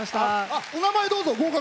お名前、どうぞ。